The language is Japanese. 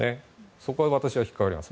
そこが私は引っ掛かります。